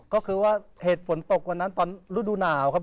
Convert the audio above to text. ก็คือว่าเหตุฝนตกวันนั้นตอนฤดูหนาวครับ